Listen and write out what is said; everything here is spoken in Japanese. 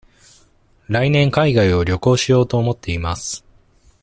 来年海外を旅行しようと思っています。